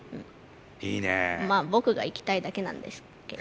まあ僕が行きたいだけなんですけど。